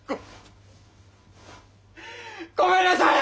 ごめんなさい！